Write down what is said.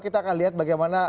kita akan lihat bagaimana